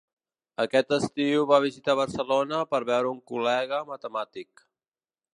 Aquest estiu va visitar Barcelona per veure un col·lega matemàtic.